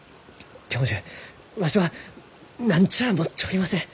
教授わしは何ちゃあ持っちょりません。